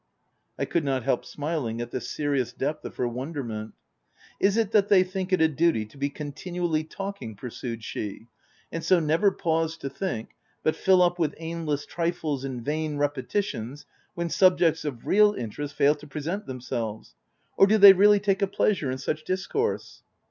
'* I could not help smiling at the serious depth of her wonderment. "Is it that they think it a duty to be con tinually talking," pursued she ;" and so never pause to think, but fill up with aimless trifles and vain repetitions, when subjects of real in terest fail to present themselves ?— or do they really take a pleasure in such discourse